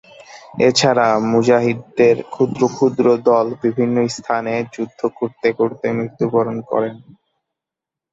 এছাড়া মুজাহিদদের ক্ষুদ্র ক্ষুদ্র দল বিভিন্ন স্থানে যুদ্ধ করতে করতে মৃত্যুবরণ করেন।